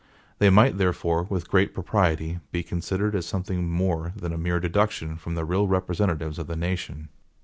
They might therefore, with great propriety, be considered as something more than a mere deduction from the real representatives of the nation.